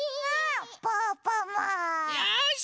よし！